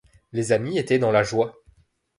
Les amis étaient dans la joie.